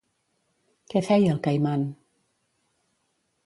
Què feia el Caiman?